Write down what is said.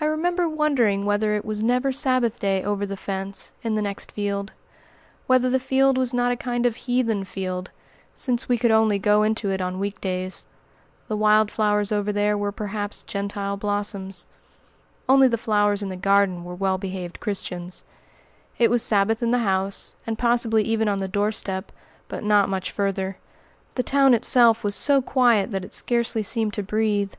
I remember wondering whether it was never Sabbath day over the fence, in the next field; whether the field was not a kind of heathen field, since we could only go into it on week days. The wild flowers over there were perhaps Gentile blossoms. Only the flowers in the garden were well behaved Christians. It was Sabbath in the house, and possibly even on the doorstep; but not much farther. The town itself was so quiet that it scarcely seemed to breathe.